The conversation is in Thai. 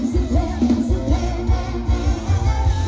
เวลาที่สุดท้าย